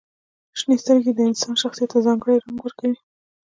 • شنې سترګې د انسان شخصیت ته ځانګړې رنګ ورکوي.